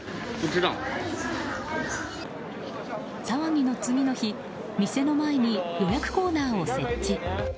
騒ぎの次の日店の前に予約コーナーを設置。